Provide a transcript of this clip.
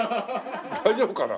大丈夫かな？